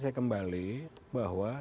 saya kembali bahwa